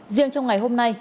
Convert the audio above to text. riêng trong ngày hôm nay